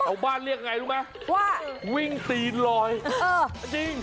เอาบ้านเรียกอย่างไรรู้ไหมว่าวิ่งตีนลอยจริง